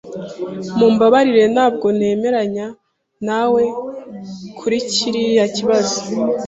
Mumbabarire ntabwo nemeranya nawe kuri kiriya kibazo.